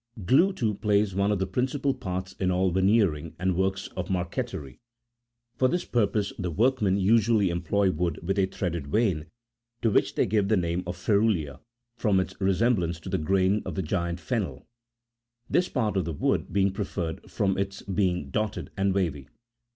Glue, too, plays one of the principal parts in all veneering and works of marqueterie. For this purpose, the workmen usually employ wood with a threaded vein, to which they give the name of " ferulea," from its resemblance to the grain of the giant fennel,47 this part of the wood being preferred from its being dotted and wavy.